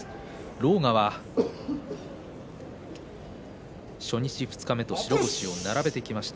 狼雅は初日二日目と白星を並べてきました